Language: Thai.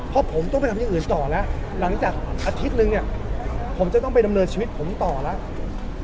เพราะผมต้องไปทำอย่างอื่นต่อแล้วหลังจากอาทิตย์นึงเนี่ยผมจะต้องไปดำเนินชีวิตผมต่อแล้ว